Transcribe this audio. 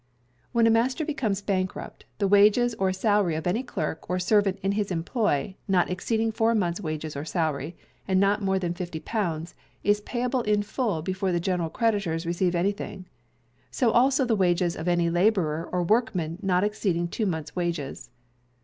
When a Master becomes Bankrupt, the wages or salary of any clerk or servant in his employ, not exceeding four months' wages or salary, and not more than £50, is payable in full before the general creditors receive anything. So also the wages of any labourer or workman not exceeding two months' wages.